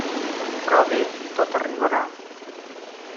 Però bé, tot arribarà.